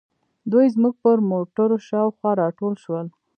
دوی زموږ پر موټرو شاوخوا راټول شول.